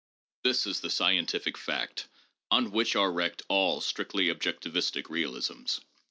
This is the scientific fact on which are wrecked all strictly objectivistic realisms.